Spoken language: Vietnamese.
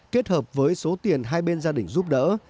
kết hợp với số tiền hai bên gia đình giúp đỡ